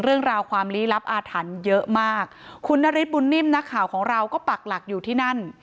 เรื่องราวความลี้ลับอาถรรพ์เยอะมากคุณนฤทธบุญนิ่มนักข่าวของเราก็ปักหลักอยู่ที่นั่น